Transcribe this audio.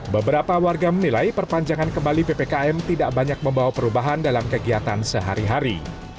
beberapa warga menilai perpanjangan kembali ppkm tidak banyak membawa perubahan dalam kegiatan sehari hari